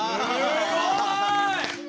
すごい！